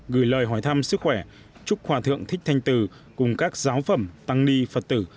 gửi lời hỏi thăm sức khỏe chúc hòa thượng thích thanh từ cùng các giáo phẩm tăng ni phật tử